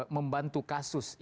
membantu kasus yang selalu